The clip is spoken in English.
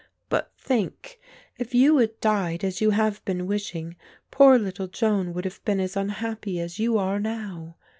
But think, if you had died as you have been wishing, poor little Joan would have been as unhappy as you are now.